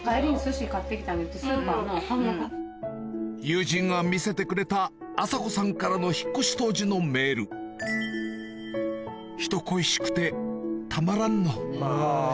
友人が見せてくれた麻子さんからの引っ越し当時のメール「人恋しくてたまらんの」